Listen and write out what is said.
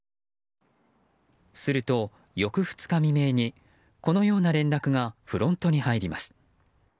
すると、翌２日未明にこのような連絡がフロントに入ります。